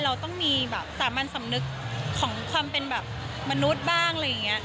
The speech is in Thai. เราต้องมีสามัญสำนึกของความเป็นมนุษย์บ้าง